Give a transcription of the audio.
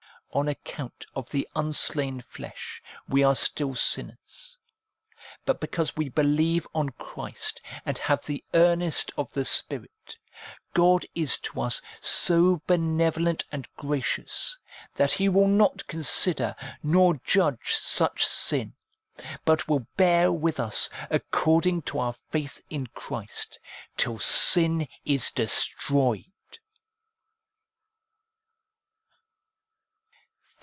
On account of the unslain flesh we are still sinners ; but because we believe on Christ, and have the earnest of the Spirit, God is to us so benevolent and gracious, that He will not consider nor judge such sin, but will bear with us according to our faith in Christ, till sin is destroyed.